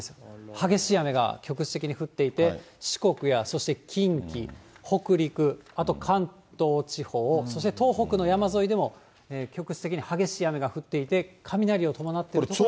激しい雨が局地的に降っていて、四国や、そして近畿、北陸、あと関東地方、そして東北の山沿いでも、局地的に激しい雨が降っていて、雷を伴っている所もあります。